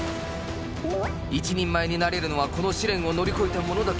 一人前になれるのはこの試練を乗り越えたものだけ。